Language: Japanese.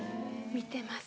見てます。